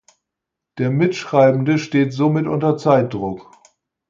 Der Mitschreibende steht somit unter Zeitdruck.